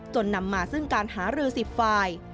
นำมาซึ่งการหารือ๑๐ฝ่าย